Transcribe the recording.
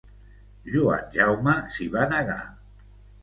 Joan Jaume s'hi va negar.